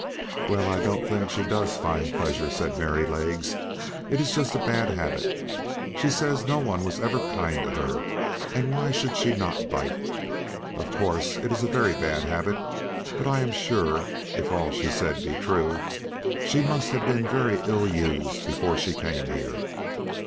"Well, I don't think she does find pleasure," says Merrylegs; "it is just a bad habit; she says no one was ever kind to her, and why should she not bite? Of course, it is a very bad habit; but I am sure, if all she says be true, she must have been very ill used before she came here.